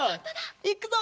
いくぞ！